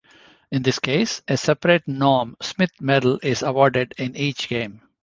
In this case, a separate Norm Smith Medal is awarded in each game.